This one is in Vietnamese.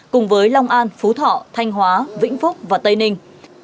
cùng với long an phú thọ thanh hóa vĩnh phúc và tây ninh